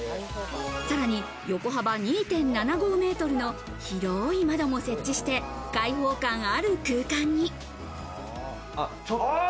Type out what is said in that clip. さらに横幅２．７５ｍの広い窓も設置して、開放感ある空間に。